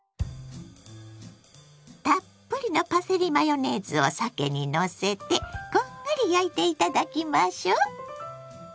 たっぷりのパセリマヨネーズをさけにのせてこんがり焼いていただきましょ。